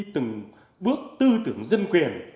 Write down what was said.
từng bước tư tưởng dân quyền